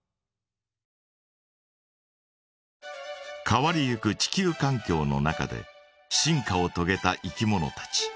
変わりゆく地球かん境の中で進化をとげたいきものたち。